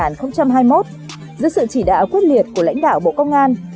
năm hai nghìn hai mươi một dưới sự chỉ đạo quyết liệt của lãnh đạo bộ công an